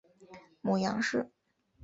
母杨氏。